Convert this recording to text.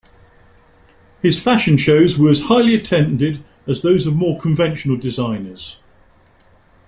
His fashion shows were as highly attended as those of more conventional designers.